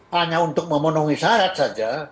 hanya untuk memenuhi syarat saja